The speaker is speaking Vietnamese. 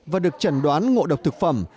và được chẩn đoán ngộ độc thực phẩm